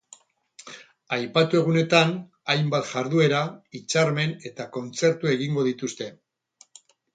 Aipatu egunetan, hainbat jarduera, hitzarmen eta kontzertu egingo dituzte.